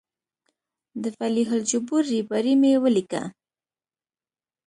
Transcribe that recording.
د فلیح الجبور ریباري مې ولیکه.